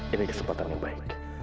ini kesempatan yang baik